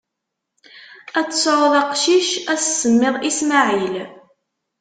Ad d-tesɛuḍ acqcic, ad s-tsemmiḍ Ismaɛil.